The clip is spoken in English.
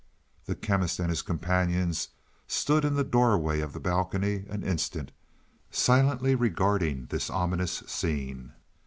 The Chemist and his companions stood in the doorway of the balcony an instant, silently regarding this ominous scene.